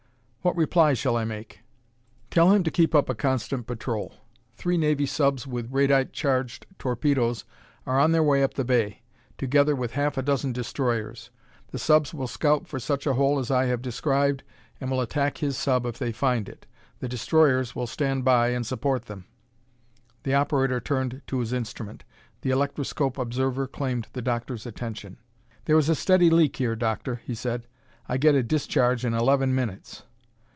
"What reply shall I make?" "Tell him to keep up a constant patrol. Three navy subs with radite charged torpedos are on their way up the bay, together with half a dozen destroyers. The subs will scout for such a hole as I have described and will attack his sub if they find it. The destroyers will stand by and support them." The operator turned to his instrument. The electroscope observer claimed the doctor's attention. "There is a steady leak here, Doctor," he said. "I get a discharge in eleven minutes."